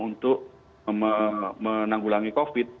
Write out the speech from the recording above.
untuk menanggulangi covid